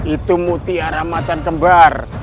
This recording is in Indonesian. itu mutiara macan kembar